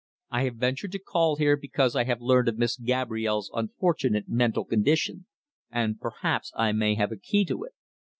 "I have ventured to call here because I have learned of Miss Gabrielle's unfortunate mental condition, and perhaps I may have a key to it."